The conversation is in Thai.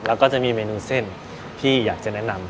แล้วก็จะมีเมนูเส้นที่อยากจะแนะนำ